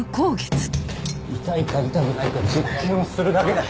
痛いか痛くないか実験をするだけだ。